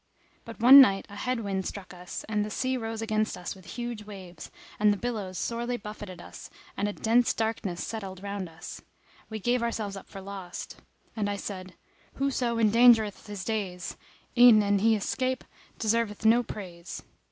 But one night a head wind struck us, and the sea rose against us with huge waves; the billows sorely buffetted us and a dense darkness settled round us. We gave ourselves up for lost and I said, "Whoso endangereth his days, e'en an he 'scape deserveth no praise."